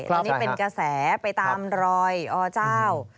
ตอนนี้เป็นกระแสไปตามรอยอเจ้า